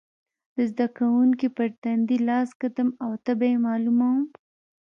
د زده کوونکي پر تندې لاس ږدم او تبه یې معلوموم.